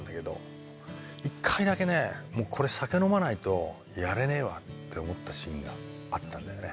１回だけねもうこれ酒飲まないとやれねえわって思ったシーンがあったんだよね。